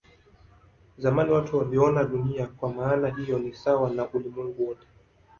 Zamani watu waliona Dunia kwa maana hiyo ni sawa na ulimwengu wote.